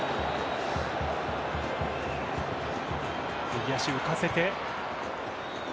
右足、浮かせて。